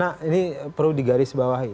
nah ini perlu digarisbawahi